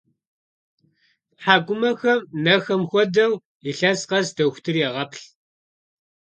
ТхьэкӀумэхэм, нэхэм хуэдэу, илъэс къэс дохутыр егъэплъ.